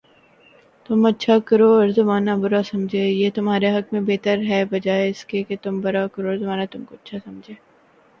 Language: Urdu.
تم اچھا کرو اور زمانہ برا سمجھے، یہ تمہارے حق میں بہتر ہے بجائے اس کے تم برا کرو اور زمانہ تم کو اچھا سمجھے